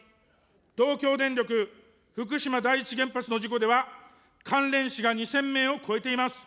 東京電力福島第一原発の事故では、関連死が２０００名を超えています。